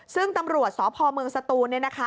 ซึ่งตำรวจสพเมืองสตูนเนี่ยนะคะ